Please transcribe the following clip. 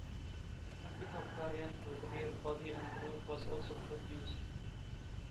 A pickup variant with rear body and roof was also produced.